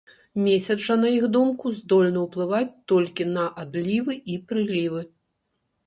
Месяц жа, на іх думку, здольны ўплываць толькі на адлівы і прылівы.